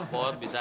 nggak ada masalah